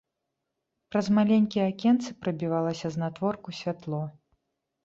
Праз маленькія акенцы прабівалася знадворку святло.